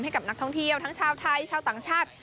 ให้กับนักท่องเที่ยวทั้งชาวไทยชาวต่างชาติ